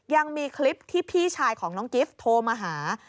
ยังมีคลิปที่พี่ชายของน้องกิฟต์โทรมาหา